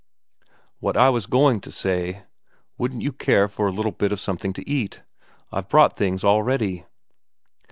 "What I was going to say: Wouldn't you care for a little bit of something to eat? I've brought things all ready."